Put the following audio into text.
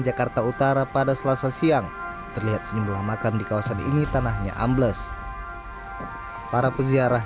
jakarta utara pada selasa siang terlihat sejumlah makam di kawasan ini tanahnya ambles para peziarah